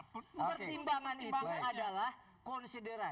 pertimbangan itu adalah konsideran